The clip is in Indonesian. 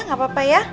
gak apa apa ya